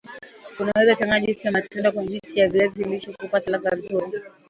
unaweza changanya juisi ya matunda kwenye juisi ya viazi lishe kupata ladha nzuri